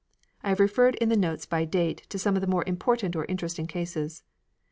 I have referred in the notes by date to some of the more important or interesting cases.